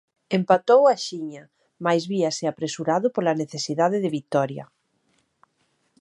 Empatou axiña mais víase apresurado pola necesidade de vitoria.